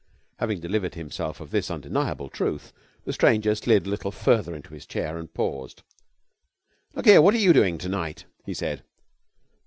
Having delivered himself of this undeniable truth the stranger slid a little farther into his chair and paused. 'Look here, what are you doing to night?' he said.